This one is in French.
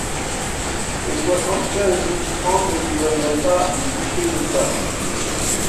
Ses soixante-quinze mille francs ne lui donneraient pas une bouchée de pain.